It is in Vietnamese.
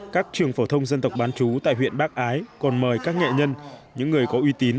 các trường phổ thông dân tộc bán chú tại huyện bắc ái còn mời các nghệ nhân những người có uy tín